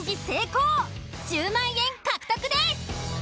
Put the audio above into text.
１０万円獲得です。